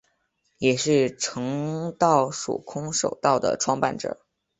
也是诚道塾空手道的创办者。